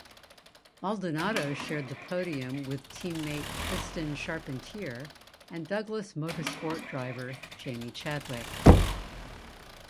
Maldonado shared the podium with teammate Tristan Charpentier and Douglas Motorsport driver Jamie Chadwick.